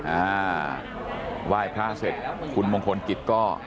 อ่าไหว้พระเสร็จคุณมงคลกิจก็